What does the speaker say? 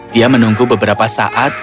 dia menunggu beberapa saat